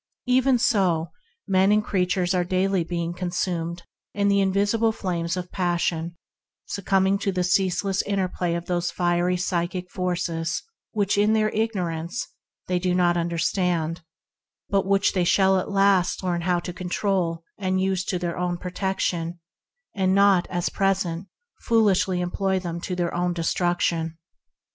Even so, men and creatures are daily being consumed in the invisible flames of passion, succumbing to the ceaseless interplay of the fiery psychic forces that they do not understand, but which they shall at last learn how to control and use to their own protection, and not, as at present, foolishly employ to their own de struction.